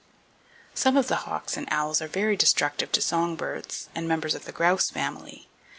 Some of the hawks and owls are very destructive to song birds, and members of the grouse family.